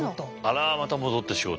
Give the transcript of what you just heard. あらまた戻って仕事。